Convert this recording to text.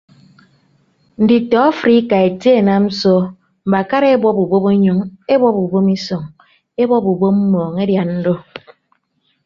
Nditọ afrika etie enam so mbakara ebọp ubom enyọñ ebọp ubom isọñ ebọp ubom mmọọñ edian do.